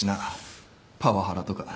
パワハラとか。